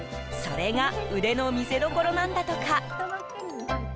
それが腕の見せどころなんだとか。